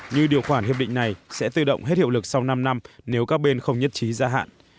như điều khoản hiệp định này sẽ tự động hết hiệu lực sau năm năm nếu các bên không nhất trí gia hạn